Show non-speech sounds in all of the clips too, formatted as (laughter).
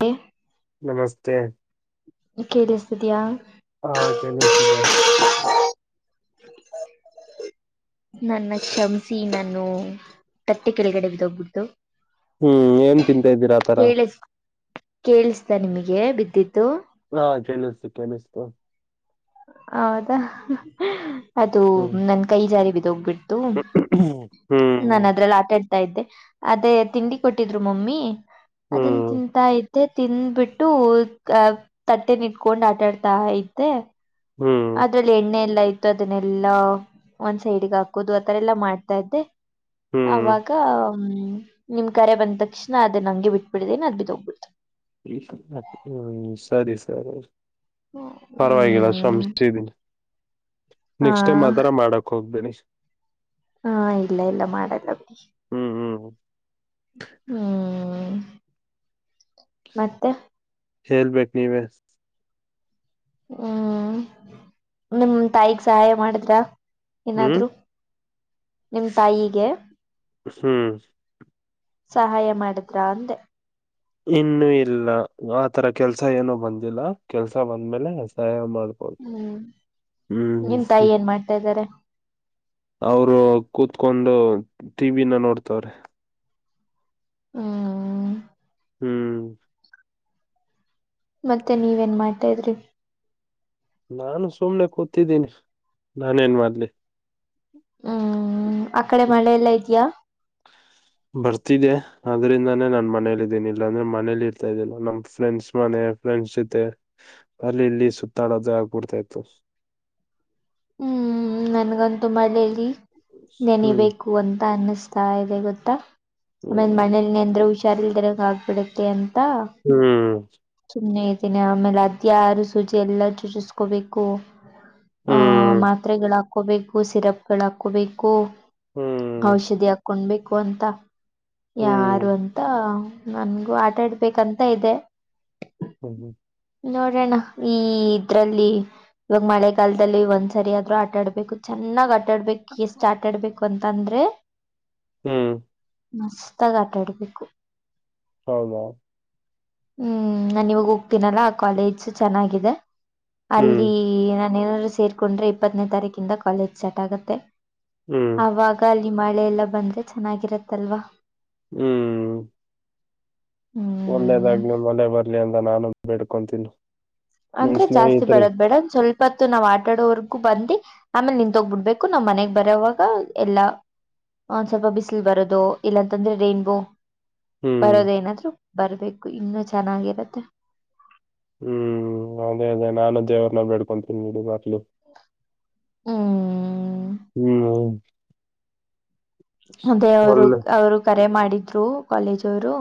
ಹ (inaudible) ನಮಸ್ತೆ ಕೇಳೇಳಷ್ಟಿದಿಯಾ (inaudible) ಹಾ ಕೇಳಿಸ್ತಿದೆ ನನ್ನ ಕ್ಷಮಿಸಿ ನಾನು ತಟ್ಟೆ ಕೆಳಗಡೆ ಬಿದೋಗ್ಬಿಟ್ಟು ಹ್ಮ್ ಏನ್ ತಿಂತಾ ಇದ್ದೀರಾ ಆತರ ಕೇಳ ಕೇಳಿಸತ ನಿಮಗೆ ಬಿದ್ದಿದ್ದು ಹಾ ಕೆನಿಸು ಕೆನಿಸ (inaudible) ಹೌದಾ ಅದು ಹ್ಮ್ ನನ್ ಕೈ ಜಾರಿ ಬಿದೋಗ್ಬಿಟ್ಟ ಹ್ಮ್ ನಾನು ಅದ್ರಲ್ಲ ಆಟ ಇದ್ದೆ ಅದೇ ತಿಂಡಿ ಕೊಟ್ಟಿದ್ರು ಮಮ್ಮಿ ಅದನ್ ಹ್ಮ್ ತಿಂತಾ ಇ ಮತ್ತೆ ತಿಂದ್ಬಿಟ್ಟು ಅ ತಟ್ಟೆ ನಿಟ್ಕೊಂಡು ಆಟಾಡ್ತಾ ದ್ದೆ ಹ್ಮ್ ಅದ್ರಲ್ಲಿ ಎಣ್ಣೆ ಎಲ್ಲ ಇತತ್ತು ಅದನ್ನೆಲ್ಲಾ ಒಂದ್ ಸೈಡ್ಗೆ ಹಾಕೋದು ಆತರ ಎಲ್ಲಾ ಮಾಡ್ತಾ ಇದ್ದೆ ಹ್ಮ್ ಅವಾಗ ಹ್ಮ್ ನಿಮ್ ಕರೆ ಬಂದ ತಕ್ಷಣ ಅದ ನಂಗೆ ಬಿಟ್ಬಿಡ್ದೆೇನ ಅ್ ಬಿ ತೋಗ್ಬಿಡ್ತು ಹ್ಮ್ ಸರಿ ಸರಿ (inaudible) (unintelligible) ಪರ್ವಾಗಿವಾಗಿಗಲ್ಲ ಹ್ಮ್ ಶಶ ಹ ನೆಕ್ಸ್ಟ್ ಟೈಮ್ ಆತ್ರರ ಮಾಡಕ್ ಹೋಗ್ಬೇನಿ ಹಾ ಇಲ್ಲ ಇಲ್ಲ ಮಾಡಲ್ಲ ಹ್ಮ್ ಹ್ಮ್ ಹ್ಮ್ ಮತ್ತೆ ಹಲ್ ಬೆಕ್ನೆವೆ ಹ್ಮ್ ನಿಮ ತಾಯಿಗ್ ಸಹಾಯ ಮಾಡಿದ್ರ ಹ್ಮ್ ಏನಾದ್ರು ನಿಮ ತಾಯಿಗೆ ಹ್ಮ್ ಸಹಾಯ ಮಾಡಿದ್ರ ಅಂದೆ ಇನ್ನುೂ ಇಲ್ಲ ಆತರ ಕೆಲ್ಸ ಏನು ಬಂದಿಲ್ಲ ಕೆಲ್ಸ ಬಂದ್ಮೇಲೆ ಸಹಾಯ ಮಾಡ ಹ್ಮ್ ನಿಮ ತಾಯಿ ಏನ್ ಮಾಡ್ತಾ ಇದ್ದಾರೆ ಅವರು ಕೂತ್ಕೊಂಡು ಟಿ ವಿನ ನೋಡ್ತವಾರೆ ಹ್ಮ ಹ್ಮ್ ಮತ್ತೆ ನೀವೇನ್ ಮಾಡ್ತಾ ಇದ್ರಿ ನಾನು ಸುಮ್ನೆ ಕೂತಿದ್ದೀನಿ ನಾನೇನ್ ಮಾಡ್ಲಿ ಹ್ಮ್ ಆ ಕಡೆ ಮಳೆಲ್ಲಾ ಇದ್ಯಾಾ ಬರ್ತಿದ್ದೆ ಆದದ್ರಿಂದಾನೇ ನಾನ್ ಮನೇಲ್ ಇದಿದ್ದೀನ ಇಲ್ಲ ಅಂದ್ರೆ ಮನೇಲಿ ಇರ್ತಾ ಇದಿಲ್ಲ ನಮ್ ಫ್ರೆಂಡ್ಸ್ ಮನ ಫ್ರೆಂಡ್ಸ್ ಜೊತೆ ಅಲ್ಲಿ ಇಲ್ಲಿ ಸುತ್ತಾಡೋದೇ ಆಗ್ಬಿಡ್ತಾ ಇತ್ತು ಹೌ ಹ್ಮ್ ನನ್ಗಂತು ಮಳ್ಳೇಲಿ ಹ್ಮ್ ನೆನಬೇಕು ಅಂತ ಅನ್ನಸ್ತ ತ ಇದೆ ಗೊತ್ತಾ ಆಮೇ ಹ್ಮ್ ಮನೇಲಿ ನ್ರ ಹುಷಾರಲ್ರ ಆಗ್ಬಿಡುತ್ತೆ ಅಂತ ಸುನೆ ಆಮೇಲೆ ಅತಿ ಆಾರು ಸೂಚಿ ಎಲ್ಲಾ ಚುಚಿಸಕೋಬೇಕು ಹ್ಮ್ ಮಾತ್ರೆಗಳು ಹಾಕೋಬೇಕು ಸಿರಪ್ಗಳ ಹಾಕೋಬೇಕು ಹ್ಮ್ ಹ್ಮ್ ಔಷಧಿ ಹಾಕೊಂಡ್ಬೇಕು ಅಂತ ಯಾರು ಹ್ಮ್ ಅಂತ ನನ್ಗೂ ಆಟ ಆಡ್ಬೇಕಂತ ಇದೆ ಹ್ಮ್ ಹ್ಮ್ ನೋಡೋಣ ಈ ಇದ್ರಲ್ಲಿ ಇವಾಗ ಮಳೆಗಾಲದಲ್ಲಿ ಒಂದ್ ಸರಿ ಆದ್ರು ಆಟ ಆಡ್ಬೇಕು ಚೆನ್ನಾಗ್ ಆ ಆಡ್ಬೇಕ ಸ್ಟಾರ್ಟ್ ಆಡ್ಬೇಕು ಅಂತ ಅಂದ್ರೆ ಹ್ಮ್ ಮಸ್ತಾಗ ಆಟಾಡ್ಬೇಕು ಹಾಮ ಹ್ಮ್ ನಾನ ಇವಾಗ ಹೋಗ್ತೀನಲ್ಲ ಆ ಕಾಲೇಜು ಚೆನ್ನಾಗಿದೆ ಹ್ಮ್ ಅಲ್ಲಿ ನಾನ ನಾದ್ರು ಸೇರ್ಕೊಂಡ್ರೆ ಇಪ್ಪತ್ತನೇ ತಾರೀಕಿಂದ ಕಾಲೇಜ್ ಸ್ಟಾರ್ಟ್ ಆಗತ್ತೆ ಹ್ಮ್ ಆವಾಗ ಅಲ್ಲಿ ಮಳೆಲ್ಲ ಬಂದ್ರೆ ಚೆನ್ನಾಗಿರತ್ತಲ್ವಾ ಹ್ಮ್ ಹ್ಮ್ ಒಳ್ಳೇದಾಗ್ ನೀ ಮಲೆ ಬರ್ಲಿ ಅಂದ ನಾನು ಬಿೇಡ್ಕೊತೀನ ಅಂದ್ರೆ ಜಾಸ್ತಿ ಬರದ್ ಬೇಡ ಸ್ವಲ್ಪತ್ತು ನಾವ್ ಆಟಾಡೋವರ್ ಬಂದ ಆಮೇಲೆ ನಿನ್ ತೋಗ್ಬಿಡ್ಬೇಕು ನಮ್ ಮನೆಗ್ ಬರೋವಾಗ ಎಲ್ಲ ಒಂದ್ ಸ್ವಲ್ಪ ಬಿಸಿಲು ಬರೋದು ಇಲ್ಲಾಂತಂದ್ರೆ ರೈನ್ಬೋ ಹ್ಮ್ ಬರೋದೇನಾದ್ರು ಬರ್ಬೇಕು ಇನ್ನುೂ ಚೆನ್ನಾಗಿರತ್ತೆ ಹ್ಮ್ ಅದೇ ಅದೇ ನಾನು ದೇವರ್ನ್ನ ಬೇಡ್ಕೊಂತೀನಿ ನಡಿ ಮಕ್ಳಲು ಹ್ಮ್ ಹ್ಮ್ ಅದೇವರು ಒಳ್ಳೆ ಅವ್ರು ಕರೆ ಮಾಡಿದ್ರು ಕಾಲೇಜ್ ಅವ್ರು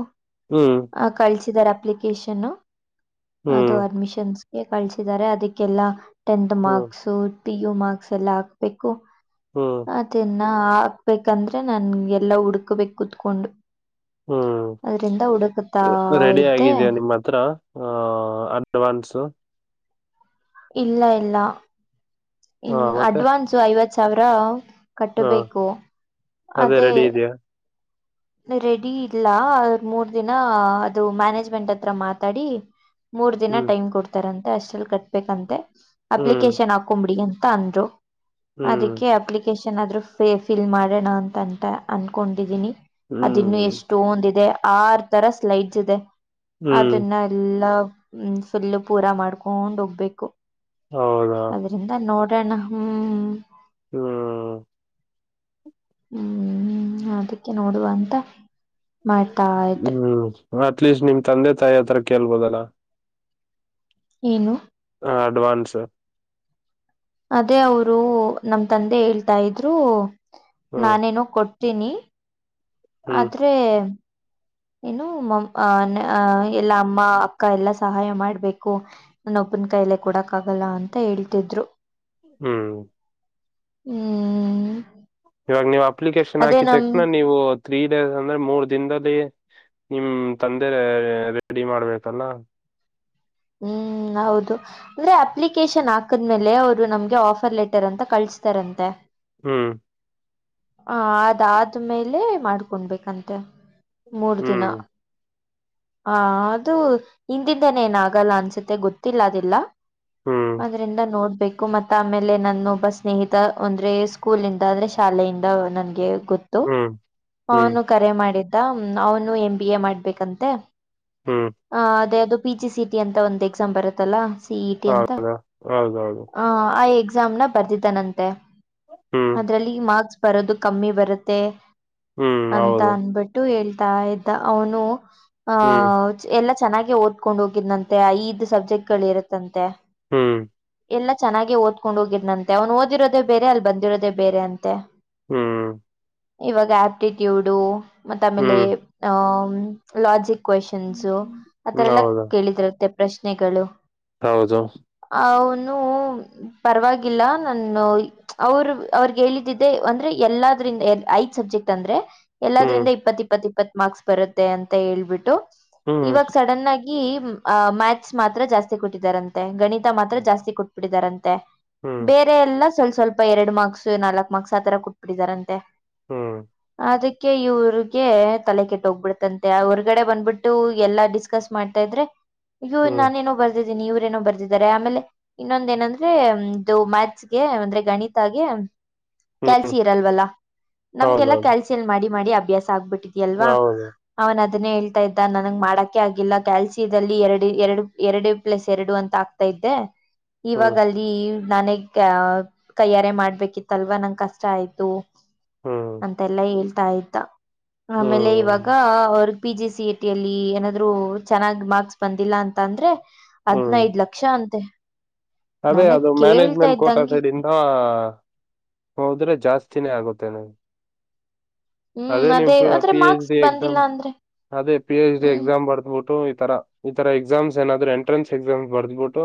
ಹ್ಮ್ ಕಳ್ಸಿದಿದ್ದಾರೆ ಅಪ್ಲಿಕೇಶನ್ ಅದು ಹ್ಮ್ ಅಡ್ಮಿಷನ್ಸ್ಗೆ ಕಳಿಸಿದ್ದಾರೆ ಅದಕ್ಕೆಲ್ಲ ಟೆಂತ್ ಹ್ಮ್ ಮಾರ್ಕ್ಸ್ ಪಿ ಯು ಮಾರ್ಕ್ಸ್ ಎಲ್ಲ ಹಾಕ್ಬೇಕು ಹ್ಮ್ ಅದೆ ಹಾಕ್ಬೇಕಂದ್ರೆ ನನ್ ಎಲ್ಲಾ ಹುಡ್ಕಬೇಕಕ್ ಕುತ್ಕೊಂಡು ಹ್ಮ್ ಅದರಿಂದ ಉಡು ರೆಡಿ ಆಗಿದ್ಯಾ ನಿಮ್ಮ ಹತ್ರ ಅಡ್ವಾನ್ಸ್ ಇಲ್ಲ ಇಲ್ಲ ಹಾ ಇನ್ನು ಮತ್ತೆ ಅಡ್ವಾನ್ಸ ಐವತ್ ಸಾವಿರ ಹಾ ಕಟ್ಟಬೇಕು ಅದೇ ರೆಡಿ ಇದೆಯಾ ರೆಡಿ ಇಲ್ಲ ಮೂರ್ ದಿನ ಅದು ಮ್ಯಾನೇಜ್ಮೆಂಟ್ ಹತ್ರ ಮಾತಾಡಿ ಮೂರ್ ದಿನ ಹ್ಮ್ ಟೈಮ್ ಕೊಡ್ತಾರಂತೆ ಅಷ್ಟಲ್ಲಿ ಕಟ್ಬೇಕಂತೆ ಹ್ಮ್ ಅಪ್ಲಿಕೇಶನ್ ಹಾಕೊಂಬಿಡಿ ಅಂತ ಅಂದ್ರು ಹ್ಮ್ ಅದಕ್ಕೆ ಅಪ್ಲಿಕೇಶನ್ ಆದ್ರೂ ಫಿಲ್ ಮಾಡೋಣ ಅಂತ ಅಂತ ಅನ್ಕೊಂಡಿದೀನಿ ಅದಿನ್ನು ಹ್ಮ್ ಎಷ್ಟ ಒಂದ ಇದೆ ಆರ್ ತರ ಸ್ಲೈಡ್ಸ್ ಇದೆ ಹ್ಮ್ ಅದನ್ನ ಎಲ್ಲ ಹ್ಮ ಫುಲ್ು ಪೂರಾ ಮಾಡ್ಕೊಂಡ್ ಹೋಗ್ಬೇಕು ಹೌದಾ ಅದ್ರಿಂದ ನೋಡ್ ಪ್ರಣಹ್ ಹ್ಮ ಹ್ಮ್ ಅದಕ್ಕೆ ನೋಡುವ ಅಂತ ಮಾಡ್ತಾ ಇದ್ದೆ ಅಟ್ ಲೀಸ್ಟ್ ನಿಮ್ ತಂದೆ ತಾಯಿ ಆತ್ರರ ಕೇಳ್ಬೋದಲ್ಲಾ ಏನು ಹ ಅಡ್ವಾನ್ಸ್ ಅದೇ ಅವರು ನಮ ತಂದೆ ಹೇಳ್ತಾ ಇದ್ರು ಹ್ಮ್ ನಾನೇನೋ ಕೊಟ್ಟ. ತಿನಿ. ಹ್ಮ್ ಆದ್ರೆ. ಏನು ಅ ಎಲ್ಲಾ ಅಮ್ಮ ಅಕ್ಕ ಎಲ್ಲಾ ಸಹಾಯ ಮಾಡ್ಬೇಕು ನನ್ನೊ ಒಬ್ಬನ ಕೈ. ಕಾಯಲೆ ಕೊಡಕ್ಕಾಗಲ್ಲ ಅಂತ ಹೇಳ್ತಿದ್ರು. ಹ್ಮ್. ಹ್ಮ್. ಇವಾಗ ನೀವು್ ಅಪ್ಲಿಕೇಶನ್ ಅದೇ ಹಾಕಿದ ನಮ್ ತಕ್ಷಣ ನೀವು ತ್ರೀ ಡೇಸ್ ಅಂದ್ರೆ ಮೂರ್ ದಿನದಲ್ಲಿ. ನಿಮ ತಂದೆ ರೆಡಿ ಮಾಡ್ಬೇಕಲ್ಲ. ಹ್ಮ್. ಹ್ಮ ಹೌದು ಅಂದ್ರೆ ಅಪ್ಲಿಕೇಶನ್ ಹಾಕದ್ಮೇಲೆ ಅವರು ನಮ್ಗೆ ಆಫರ್ ಲೆಟರ್ ಅಂತ ಕಳಸ್ತಾರಂತೆ. ಹ್ಮ್. ಹ ಅದಾದ್ಮೇಲೆ ಮಾಡ್ಕೊೊಂಡಬೇಕಂತೆ. ಹ್ಮ್. ಹ ಅದು ಹಿಂದಿಂದೇನ ಏನ ಆಗಲ್ಲ ಅನ್ಸತ್ತೆ ಗೊತ್ತಿಲ್ಲ ಅದಿಲ್ಲ. ಹ್ಮ್ ಅದ್ರಿಂದ ನೋಡ್ಬೇಕು. ಕು ಮತ್ತ ಆಮೇಲೆ ನನ್ನ ಒಬ್ಬ ಸ್ನೇಹಿತ ಒಂದ್ರೆ ಸ್ಕೂಲ್ಂದ ಅಂದ್ರೆ ಶಾಲೆಯಿಂದ ನನ್ಗೆ. ಗೊತ್ತು ಹ್ಮ್ ಹ್ಮ್ ಅವನು ಕರೆ ಮಾಡಿದ್ದ ಅವನು ಎಂ ಬಿ ಎ ಮಾಡ್ಬೇಕಂತೆ. ಹ್ಮ್ ಹ ಅದೇ ಅದು ಪಿಜಿ ಸಿಟಿ ಅಂತ ಒಂದ್ ಎಕ್ಸಾಮ್ ಬರುತ್ತಲ್ಲ. ಸಿಟಿ ಅಂತ ಹೌದು ಹೌದೌದು ಹ ಆಯ. ಎಕ್ಸಾಮ್ನ ಬರೆದಿದ್ದಾನಂತೆ ಹ್ಮ್ ಅದ್ರಲ್ಲಿ ಮಾರ್ಕ್ಸ್ ಬರೋದು ಕಮ್ಮಿ ಬರುತ್ತೆ. ಹ್ಮ್ ಅಂತ ಹೌದು ಅನ್ಬಿಟ್ಟು ಹೇಳ್ತಾ ಇದ್ದ ಅವನು ಹ್ಮ್ ಅಹ ಎಲ್ಲ. ಚೆನ್ನಾಗಿ ಓದ್ಕೊಂಡು ಹೋಗಿದ್ನಂತೆ ಐದು ಸಬ್ಜೆಕ್ಟ್ ಗಳು ಇರುತ್ತಂತೆ. ಹ್ಮ್. ಎಲ್ಲಾ ಚೆನ್ನಾಗಿ ಓದ್ಕೊಂಡ್ ಹೋಗಿದನಂತೆ ಅವ್ನು ಓದಿರೋದೇ ಬೇರೆ ಅಲ್ಲಿ ಬಂದಿರೋದೇ ಬೇರೆ ಅಂತೆ. ಹ್ಮ್ ಇವಾಗ ಆಪ್ಟಿಟ್ಯೂಡು ಮತ್ತ ಆಮೇಲೆ ಹ್ಮ್ ಅಹ್ ಲಾಜಿಕ್. ಕ್ವಶನ್ಸು ಹ್ಮ್ ಆಥರ ಎಲ್ಲ ಹೌದು ಕೇಳಿದರಂತ್ತೆ ಪ್ರಶ್ನೆಗಳು. ಹೌದು. ಅವನು ಪರವಾಗಿಲ್ಲ ನಾನು ಅವರು ಅವ್ರಗೆ ಹೇಳಿದ್ದಿದ್ದೆ ಅಂದ್ರೆ. ಎಲ್ಲಾದ್ರಿಂದ ಐದ ಸಬ್ಜೆಕ್ಟ್ ಅಂದ್ರೆ. ಹ್ಮ್ ಎಲ್ಲಾದ್ರಿಂದ ಇಪ್ಪತ್ ಇಪ್ಪತ್ ಇಪ್ಪತ್ ಮಾರ್ಕ್ಸ್ ಬರುತ್ತೆ ಅಂತ ಹೇಳ್ಬಿಟ್ಟು ಹ್ಮ್ ಇವಾಗ ಸಡನ್ ಆಗಿ. ಮ್ಯಾಥಸ್ ಮಾತ್ರ ಜಾಸ್ತಿ ಕೊಟ್ಟಿದಾರಂತೆ ಗಣಿತ ಮಾತ್ರ ಜಾಸ್ತಿ ಕೊಟ್ಬಿಟ್ಟಿದಾರಂತೆ. ಹ್ಮ್ ಬೇರೆ ಎಲ್ಲ ಸ್ವಲ್ಪ ಸ್ವಲ್ಪ ಎರಡು ಮಾರ್ಕ್ಸ್ ನಾಲ್ಕ್ ಮಾರ್ಕ್ಸ್ ಆತರ ಕೊಟ್ಬಿಟ್ಟಿದಾರಂತೆ. ಹ್ಮ್. ಅದಕ್ಕೆ ಇವ್ರಿಗೆ ತಲೆ ಕೆಟ್ಟ ಹೋಗ್ಬಿಡ್ತಂತೆ ಹೊರ್ಗಡೆ ಬಂದ್ಬಿಟ್ಟು ಎಲ್ಲಾ ಡಿಸ್ಕಸ್ ಮಾಡ್ತಾ ಇದ್ರೆ. ಅಯ್ಯೋ ಹ್ಮ್ ನಾನೇಏನೋ ಬರ್ದಿದ್ದ. ಇವರೇನೋ ಬರ್ದಿದ್ದಾರೆ ಆಮೇಲೆ ಇನ್ನೊಂದ ಏನಅಂದ್ರೆಇದು ಮ್ಯಾತ್ಸ್ಗೆ ಅಂದ್ರೆ ಗಣಿತಾಗ. ಕ್ಯಾಲ್ಸಿ ಹ್ಮ್ ಇರಲ್ವಲ್ಲಾ ನಮ್ಗೆಲ್ಲಾ ಹೌದೌದು ಕ್ಯಾಲ್ಸಿಯಲ್ ಮಾಡಿ ಮಾಡಿ ಅಭ್ಯಾಸ ಆಗ್ಬಿಟ್ಟು. ಇದೆಲ್ವಾ ಹೌದು ಅವನ್ ಅದನ್ನೇ ಹೇಳ್ತಾ ಇದ್ದ ನನಗೆ ಮಾಡಕೆ ಆಗಿಲ್ಲ ಕ್ಯಾಲ್ಸಿ. ದಲ್ಲಿ ಎರಡು ಎರಡು ಎರಡು ಪ್ಲಸ್ ಎರಡು ಅಂತ ಆಗ್ತಾ ಐತೆ ಇವಾಗ ಹ್ಮ್ ಅಲ್ಲಿ. ನಾನೇಗ್ ಕೈಯ್ಯಾರೆ ಮಾಡ್ಬೇಕಿತ್ತಲ್ವಾ ನಂಗೆ ಕಷ್ಟ ಆಯ್ತು. ಹ್ಮ್ ಅಂತೆಲ್ಲ ಹೇಳ್ತಾ ಇದ್ದ ಆಮೇಲೆ ಇವಾಗ ಹ್ಮ್ ಅವ್ರ. ಪಿ ಜಿ ಸಿ ಎ ಟಿಯಲ್ಲಿ ಏನಾದರೂ ಚೆನ್ನಾಗಿ ಮಾರ್ಕ್ಸ್ ಬಂದಿಲ್ಲ ಅಂತಂದ್ರರೆ. ಹ್ಮ್ ಹದ್ನೈದ್ ಲಕ್ಷ ಅಂತೆ. ಅದೇ ನನಗ್ ಅದು ಕೇಳ್ತಾ ಮ್ಯಾನೇಜ್ಮೆಂಟ್ ಕೋಟಾ ಇದ್ದಂಗೆ ಸೈಡ್ ಇಂದ. ಹೋದ್ರೆ ಜಾಸ್ತಿನೇ ಆಗುತ್ತೆ ನನಗೆ. ಅದೇ ಹ್ಮ್ ನಿಮ್ ಆದ್ರೆ ಪಿ ಎಚ್ ಮಾರ್ಕ್ಸ್ ಡಿ ಬಂದಿಲ್ಲ ಎಕ್ಸಾಮ್ ಅಂದ್ರೆ ಅದೇ ಪಿ ಹೆಚ್ ಡಿ ಹ್ಮ್ ಎಕ್ಸಾಮ್ ಬರ್ದಬಿಟ್ಟು. ಈ ತರ ಈ ತರ ಎಕ್ಸಾಮ್ಸ್ ಏನಾದ್ರು ಎಂಟ್ರೆನ್ಸ್ ಎಕ್ಸಾಮ್ಸ್ ಬರ್ದ್ಬಿಟ್ಟು.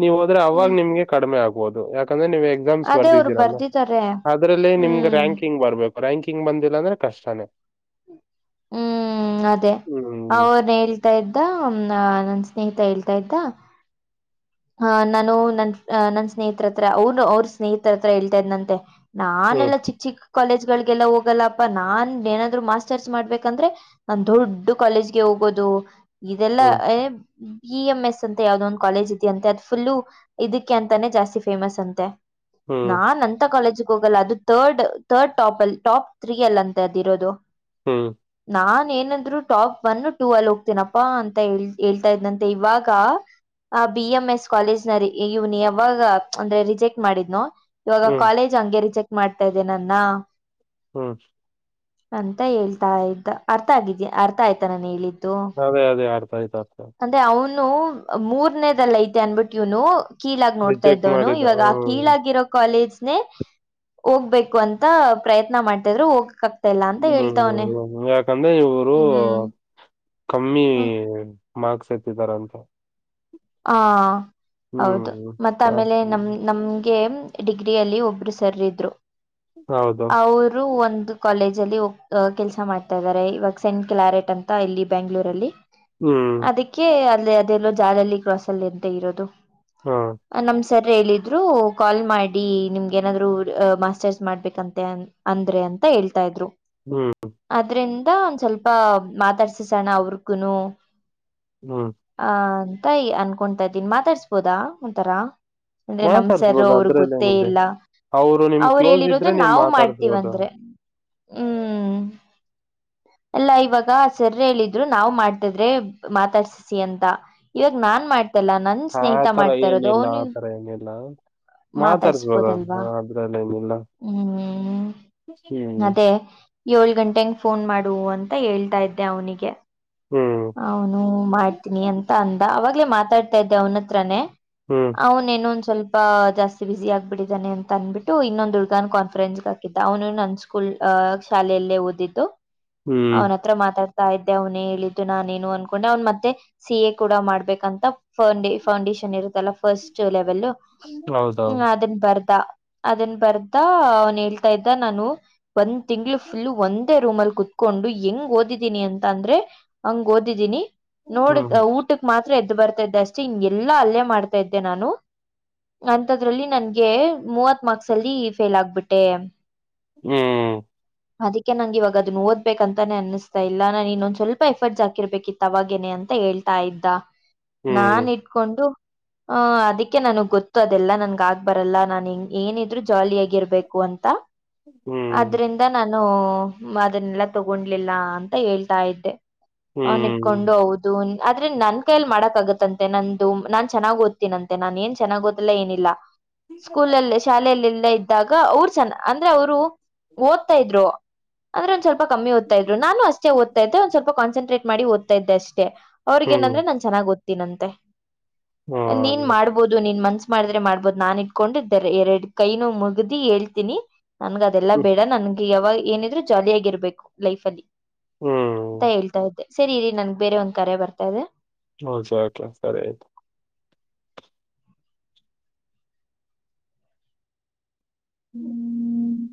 ನೀವ ಹೋದ್ರೆ ಅವಾಗ ಹ್ಮ್ ನಿಮ್ಗೆ ಕಡಿಮೆ ಆಗ್ಬೋದು ಯಾಕಂದ್ರೆ. ನೀವು ಎಕ್ಸಾಮ್ಸ್ ಅದೇ ಅವ್ರು ಬರ್ದಿದ್ದೀರಲ್ವಾ ಬರ್ದಿದ್ದಾರೆ ಅದ್ರಲ್ಲಿ ನಿಮ್ಗೆ ಹ್ಮ್ ರ್ಯಾಕಿಂಗ್ ಬರ್ಬೇಕು. ರ್ಯಾಂಕಿಂಗ್ ಬಂದಿಲ್ಲ ಅಂದ್ರೆ ಕಷ್ಟನೇ. ಹ್ಮ್ -ಅದೇ ಹ್ಮ್ ಅವನ್ ಹೇಳ್ತಾ ಇದ್ದ ನಾ ನನ್ ಸ್ನೇಹಿತಾ ಹೇಳ್ತಾ ಇದ್ದಾ. ಹ -ನಾನು ನನ್ -ಅ ನನ್ ಸ್ನೇಹಿತರ ಹತ್ರ ಅವ್ನು ಅವ್ರ ಸ್ನೇಹಿತರ ಹತ್ರ ಹೇಳ್ತಾ ಇದ್ನಂತೆ. ಹ್ಮ್ ನಾನೆಲ್ಲಾ ಚಿಕ್ಕ ಚಿಕ್ಕ ಕಾಲೇಜ್. ಗೆಲ್ಲ ಹೋಗಲ್ಲಪ್ಪಾ ನಾನ್ ಏನಾದ್ರು ಮಾಸ್ಟರ್ಸ್ ಮಾಡ್ಬೇಕಂದ್ರೆ ನಾನ್ ದೊಡ್ ಕಾಲೇಜ್ಗೆ ಹೋಗೋದು. ಇದೆಲ್ಲಾ ಹ್ಮ್ ಬಿ ಎಂ ಎಸ್ ಅಂತ ಯಾವ್ದೋ ಒಂದು ಕಾಲೇಜ್. ಅಂತೆ ಅದ ಫುಲ್ಲು ಇದಕ್ಕೆ ಅಂತಾನೆ ಜಾಸ್ತಿ ಫೇಮಸ್ ಅಂತೆ ಹ್ಮ್ ನಾನ್ ಅಂತ ಕಾಲೇಜ್ ಹೋಗಲ್ಲ ಅದು ತರ್ಡ್ ತರ್ಡ್ ಟಾಪ್ ಅಲ್ಲಿ ಟಾಪ್ ತ್ರೀ ಅಲ್ಲಿ ಅಂತ ಅದಿರೋದು. ಹ್ಮ್ ನಾನ್ ಏನಂದ್ರು ಟಾಪ್ ಒನ್ ಟೂ ಅಲ್ಲಿ ಹೋಗ್ತೀನಪ್ಪಾ ಅಂತ ಹ ಹೇಳ್ತಾ ಇದನಂತೆ ಇವಾಗ. ಆ ಬಿ ಎಂ ಎಸ್ ಕಾಲೇಜ್ ನ ಇವ್ನ ಯಾವಾಗ ಅಂದ್ರೆ ರಿಜೆಕ್ಟ್ ಮಾಡಿದ್ನು. ಇವಾಗ ಹ್ಮ್ ಕಾಲೇಜ್ ಅಂಗೇರಿ ಚೆಕ್ ಮಾಡ್ತಾ ಇದ್ದೇನನ್ನ. ಹ್ಮ ಅಂತ ಹೇಳ್ತಾ ಇದ್ದ ಅರ್ಥ ಆಗಿದ ಅರ್ಥ ಆಯ್ತಾ ನಾನು ಹೇಳಿದ್ದೆ. ಅದೇ ಅದೇ ಅರ್ಥ ಆಯ್ತು ಅರ್ಥ ಆಯ್ತು (inaudible) ಅದೆ ಅವನು ಮೂರನೇದಲ್ಲಿ ಐತಿ ಅನ್ಬಿಟ್ಟು ಇವ್ನು ಕೀಳಾಗಿ ನೋಡ್ತಾ ರಿಜೆಕ್ಟ್ ಇದ್ದವನು ಮಾಡಿದ ಇವಾಗ ಆ ಹ್ಮ್ ಕೀಳಾಗಿರೋ ಕಾಲೇಜ್ (unintelligible) ಹೋಗ್ಬೇಕು ಅಂತ ಪ್ರಯತ್ನ ಮಾಡ್ತಿದ್ರೆ ಹೋಗ್ ಎಲ್ಲಾ ಅಂತ ಹೇಳ್ತವನೆ ಯಕಂದ್ರೆ ಇವರು ಹ್ಮ್ ಕಮ್ಮಿ ಮಾರ್ಕ್ಸ್ ಎತ್ತಿದಾರಂತ ಹಾ- ಹ್ಮ್ ಹೌದು ಮತ್ತ ಆಮೇಲೆ ನಮ ಹ್ಮ್ ನಮ ಡಿಗ್ರಿಯಲ್ಲಿ ಒಬ್ಬರು ಸರ ಇದ್ರು ಹೌದು ಅವರು ಒಂದು. ಕಾಲೇಜ್ ಅಲ್ಲಿ ಒಬ್ಬರ ಕೆಲಸ ಮಾಡ್ತಾ ಇದ್ದಾರೆ ಇವಾಗ ಸೆಂಟ್ ಕ್ಲಾರೆಟ್ ಅಂತ ಇಲ್ಲಿ ಬೆಂಗಳೂರಲ್ಲಿ. ಹ್ಮ್ ಅದಕ್ಕೆ ಅಲ್ಲಿ ಅದೆಲ್ಲೋ ಜಾಲಹಲ್ಲಿ ಕ್ರಾಸ್ ಅಲ್ಲಿ ಎಂತ ಇರೋದು ಹಾ ನಮ್ ಸರ್ ಹೇಳಿದ್ರು ಕಾಲ್ ಮಾಡಿ ನಿಮ್ಗೇನಾದರೂ ಮಾಸ್ಟರ್ಸ್ ಮಾಡ್ಬೇಕಂತೆ ಅಂದ್ರೆ ಅಂತ. ಅಂತ ಹೇಳ್ತಾ ಇದ್ರು ಹ್ಮ್ ಅದ್ರಿಂದ ಒಂದ್ ಸ್ವಲ್ಪ ಮಾತಾಡ್ಸಿಸೋಣ ಅವ್ರಗುನು. ಹ್ಮ್ ಅಂತ ಯ ಅನ್ಕೊತ್ದೀನಿ ಮಾತಾಡ್ಸ್ಬೋದಾ ಒಂಥರ. ಅಂದ್ರೆ ನಮ್ಸರ್ ಮಾತಾಡ್ಸ್ಬೋದು ಅವ್ರಗೆ ಗೊತ್ತೇ ಅದ್ರಲ್ಲೇನಿದೆ ಇಲ್ಲ ನಿಮ್ ಅವರು ಕ್ಲೋಸ್ ಇದ್ರೆ ಹೇಳಿರೋದು ನೀವ್ ನಾವು ಮಾತಾಡ್ಸ್ಬೋದು ಮಾಡ್ತೀವಂದ್ರೆ ಹ್ಮ್ (inaudible) ಎಲ್ಲ ಇವಾಗ ಸರ್ರ ಹೇಳಿದ್ರು ನಾವು ಮಾಡ್ತಿದ್ರೆ ಮಾತಾಡ್ಸಿ ಅಂತ. ಇವಾಗ ನಾನ್ ಮಾಡ್ತಲ್ಲ ನನ್ ಆ ಸ್ನೇಹಿತ ತರ ಮಾಡ್ತಾ ಇರೋದು ಏನಿಲ್ಲ ಅವನು ಆ ತರ ಏನಿಲ್ಲ ಮಾತಾಡ್ಸ್ಬೋದ ಮಾತಾಡ್ಸ್ಬೋದಲ್ವಾ ಹ್ಮ್ ಹ್ಮ ಏಲು ಗಂಟೆ ಅಂಗೆ ಫೋನ್ ಮಾಡು ಅಂತ ಹೇಳ್ತಾ ಇದ್ದೆ ಅವನಿಗೆ ಹ್ಮ್ ಅವನು ಮಾಡ್ತೀನಿ ಅಂತ ಅಂದ ಅವಾಗ್ಲೇ ಮಾತಾಡ್ತಾ ಇದ್ದೆ ಅವನ ಅತ್ರನೇ‌. ಹ್ಮ್ ಅವನೇನ್ನ ಒಂದ ಸ್ವಲ್ಪ ಜಾಸ್ತಿ ಬಿಸಿ ಆಗ್ಬಿಟ್ಟಿದ್ದಾನೆ ಅಂತಂದ್ಬಿಟ್ಟು ಇನ್ನೊಂದು ಹುಡ್ಗನ್ ಕಾನ್ಫರೆನ್ಸ್ಗೆ ಹಾಕಿದ್ದ ಅವನು ನನ್ನ ಸ್ಕೂಲ್ ಆ ಶಾಲೆಯಲ್ಲೇ ಓದಿದ್ದು ಹ್ಮ್ ಅವನ ಹತ್ರ ಮಾತಾಡ್ತಾ ಇದ್ದೆ ಅವನ ಹೇಳಿದ್ದು ನಾನೇನು ಅನ್ಕೊಂಡೆ ಅವನ್ ಮತ್ತೆ ಸಿ ಎ ಕೂಡ ಮಾಡ್ಬೇಕಂತ ಫೌಂಡ ಫೌಂಡೇಶನ್ ಇರುತ್ತಲ್ಲ ಫಸ್ಟ್ ಸೋ ಲೆವೆಲ್ -ಹ್ಮ್- ಹೌದೌದು ಅದನ್ನ ಬರ್. ಅದನ್ ಬರ್ದ ಅವನ್ ಹೇಳ್ತಾ ಇದ್ದ ನಾನು ಒಂದ್ ತಿಂಗಳ ಫುಲ್ ಒಂದ ರೂಮ ಅಲ್ಲಿ ಕೂತ್ಕೊಂಡು ಹೆಂಗ್ ಓದಿದ್ದೀನಿ ಅಂತ ಅಂದ್ರೆ ಹಂಗ್ ಓದಿದ್ದೀನಿ‌ ಹ್ಮ ಮಾತ್ರ ಎದ್ದು ಬರ್ತಾ ಇದ್ದೆ ಅಷ್ಟೇ ಹಿಂಗೆಲ್ಲಾ ಅಲ್ಲೆ ಮಾಡ್ತಾ ಇದ್ದೆ ನಾನು ಅಂತದ್ರಲ್ಲಿ ನನ್ಗೆ ಮೂವತ್ ಮಾರ್ಕ್ಸ್ ಅಲ್ಲಿ ಫೇಲ್ ಆಗ್ಬಿಟ್ಟೆ. ಹ್ಮ್ ಅದಕ್ಕೆ ನಂಗೆ ಇವಗ ಅದನ್ನ ಓದಬೇಕ ಅಂತಾನೆ ಅನಿಸ್ತಾ ಇಲ್ಲ. ನಾನ್ ಇನ್ನೊಂದ ಸ್ವಲ್ಪ ಎಫರ್ಟ್ಸ್ ಹಾಕಿರ್ಬೇಕಿತ್ತು ಅವಾಗೇನೆ ಅಂತ ಅಂತ ಹೇಳ್ತಾ ಇದ್ದ ನಾನ್ ಹ್ಮ್ ಇಟ್ಕೊಂಡು. ಹ ಅದಕ್ಕೆ ನನ್ಗ್ ಗೊತ್ತು ಅದೆಲ್ಲ ನನ್ಗ ಆಗ್ ಬರಲ್ಲ. ನಾನ್ ಇನ್ನು ಏನಿದ್ರು ಜಾಲಿಯ ಆಗಿ ಇರ್ಬೇಕು ಅಂತ ಹ್ಮ್ ಆದ್ರಿಂದ ನಾನು ಅದನ್ನೆಲ್ಲ ತಗೊಂಡ್ಲಿಲ್ಲ ಅಂತ ಹೇಳ್ತಾ ಇದ್ದೆ. ಅವನ ಹ್ಮ್ ಹ್ಮ್ ಇಟ್ಕೊಂಡು ಹೌದು ಆದ್ರೆ ನನ್ ಕೈಯಲ್ಲಿ ಮಾಡಕ್ ಆಗತ್ತಂತೆ ನಂದು. ನಾನ್ ಚೆನ್ನಾಗ ಓದ್ತೀನಂತೆ ನಾನ್ ಏನ್ ಚೆನ್ನಾಗ ಓದಿಲ್ಲ ಏನಿಲ್ಲ. ಸ್ಕೂಲಲ್ಲಿ ಶಾಲೆಯಲ್ಲೆಲ್ಲ ಇದ್ದಾಗ ಅವರು ಚಂದ ಅಂದ್ರೆ ಅವರು- ಓದ್ತಾ ಇದ್ರು ಅಂದ್ರೆ ಒಂದ ಸ್ವಲ್ಪ ಕಮ್ಮಿ ಓದುತ ಇದ್ದರು. ನಾನು ಅಷ್ಟೇ ಓದ್ತ ಇದ್ದೆ ಒಂದು ಸ್ವಲ್ಪ ಕಮ್ಮಿ ಸೀಕ್ರೆಟ್ ಮಾಡಿ ಓದತ ಇದ್ದ ಅಷ್ಟೇ, ಅವ್ರಿ ಗ ಹ್ಮ್ ಏನಂದ್ರೆ ನಾನ್ ಚೆನ್ನಾಗ್ ಓದ್ತಿನಂತೆ. ನೀನ್ ಹ್ಮ್ ಮಾಡ್ಬೋದು ನೀನ್ ಮನ್ಸ ಮಾಡಿದ್ರೆ ಮಾಡ್ಬೋದು. ನಾನ್ ಇಟ್ಕೊಂಡು ಎರಡ್ ಕೈನು ಮುಗ್ದಿ ಹೇಳ್ತಿನಿ ನನ್ಗ ಅದೆಲ್ಲಾ ಬೇಡ ನನ್ಗೆ ಯಾವಾಗಲೂ ಏನಿದ್ರು ಜಾಲಿಯಾಗಿರ್ಬೇಕು ಲೈಫ್ ಅಲ್ಲಿ ಅಂತ ಹ್ಮ್ ಹೇಳ್ತಾ ಇದ್ದೆ. ಸರಿ ಇರೀ ನನ್ಗ್ ಬೇರೆ ಒಂದ್ ಕರೆ ಬರ್ತಾ ಇದೆ. ಹೌ (unintelligible) ಹ್ಮ್ (unintelligible)